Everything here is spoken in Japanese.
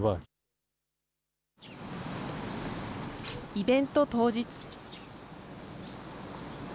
イベント当日。